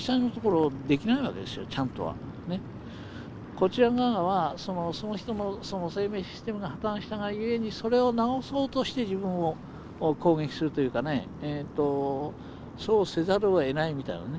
こちら側はその人の生命システムが破綻したがゆえにそれを治そうとして自分を攻撃するというかねそうせざるをえないみたいなね。